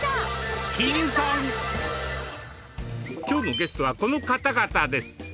今日のゲストはこの方々です。